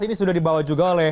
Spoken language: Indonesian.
ini sudah dibawa juga oleh